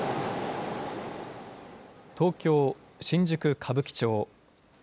東京・新宿・歌舞伎町。